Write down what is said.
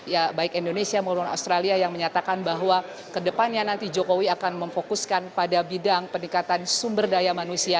ya baik indonesia maupun australia yang menyatakan bahwa kedepannya nanti jokowi akan memfokuskan pada bidang peningkatan sumber daya manusia